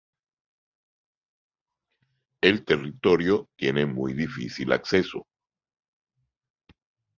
El territorio tiene muy difícil acceso.